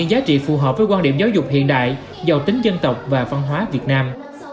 giáo dục hiện đại giàu tính dân tộc và văn hóa việt nam